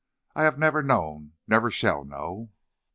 I have never known, never shall know.